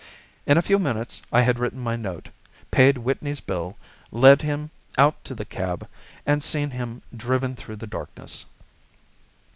In a few minutes I had written my note, paid Whitney's bill, led him out to the cab, and seen him driven through the darkness.